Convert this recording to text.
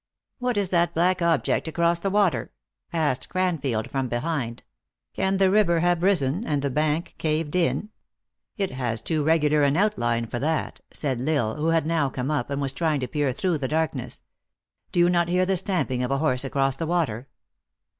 " What is that black object across the water? " ask ed Cranfield, from behind. " Can the river have risen and the bank caved in ?" "It has too regular an outline for that," saidL Isle, who had now come up, and was trying to peer through the darkness. " Do you not hear the stamping of a horse across the water?